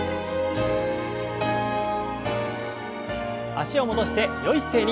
脚を戻してよい姿勢に。